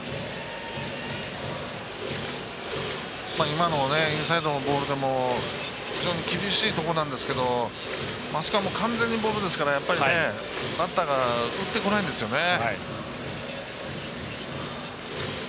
今のインサイドのボールでも非常に厳しいところなんですけどあそこは完全にボールですからやっぱり、バッターが打ってこないんですよね。